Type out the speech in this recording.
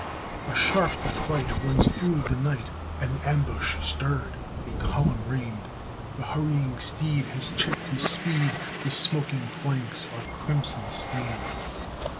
A sharp affright runs through the night, An ambush stirred, a column reined; The hurrying steed has checked his speed, His smoking flanks are crimson stained.